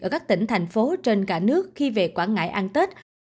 ở các tỉnh thành phố trên cả nước khi về quảng ngãi ăn tết